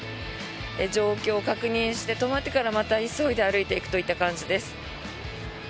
状況を確認して止まってからまた急いで歩いていくといった感じです。